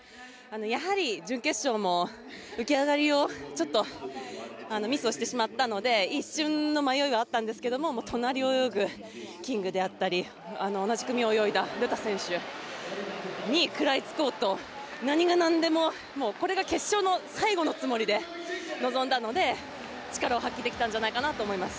やはり準決勝も浮き上がりをちょっとミスをしてしまったので一瞬の迷いはあったんですが隣を泳ぐキングであったり同じ組を泳いだルタ選手に食らいつこうと何がなんでもこれが決勝の最後のつもりで臨んだので力を発揮できたんじゃないかと思います。